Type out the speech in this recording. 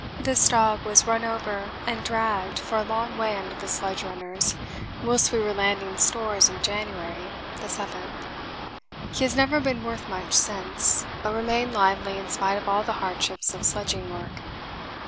This dog was run over and dragged for a long way under the sledge runners whilst we were landing stores in January (the 7th). He has never been worth much since, but remained lively in spite of all the hardships of sledging work.